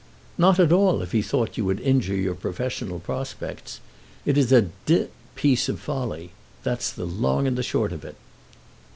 "Not at all, if he thought you would injure your professional prospects. It is a d piece of folly; that's the long and the short of it."